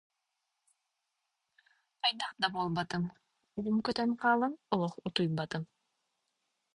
Хайдах да буолбатым, уум көтөн хаалан олох утуйбатым